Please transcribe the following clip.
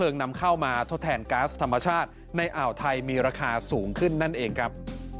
นำเข้ามาทดแทนก๊าซธรรมชาติในอ่าวไทยมีราคาสูงขึ้นนั่นเองครับ